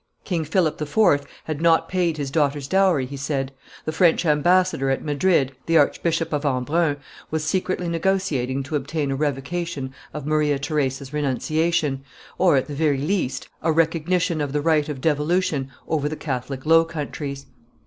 King Philip IV. had not paid his daughter's dowry, he said; the French ambassador at Madrid, the Archbishop of Embrun, was secretly negotiating to obtain a revocation of Maria Theresa's renunciation, or, at the very least, a recognition of the right of devolution over the Catholic Low Countries.